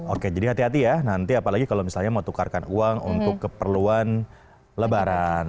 oke jadi hati hati ya nanti apalagi kalau misalnya mau tukarkan uang untuk keperluan lebaran